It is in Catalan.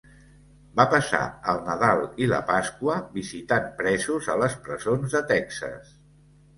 Va passar el Nadal i la Pasqua visitant presos a les presons de Texas.